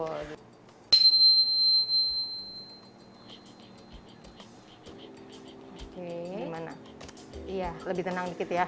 oke gimana lebih tenang sedikit ya